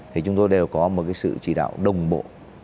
thì chúng tôi đều có một cái sự chỉ đạo đồng bộ